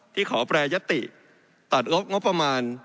ขอแปรยติตัดงบงบประมาณ